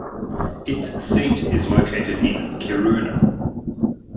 Its seat is located in Kiruna.